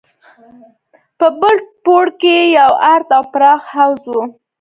په بل پوړ کښې يو ارت او پراخ حوض و.